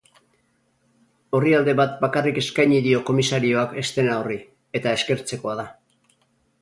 Orrialde bat bakarrik eskaini dio komisarioak eszena horri, eta eskertzekoa da.